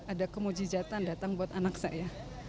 ada kemujijatan datang buat anak saya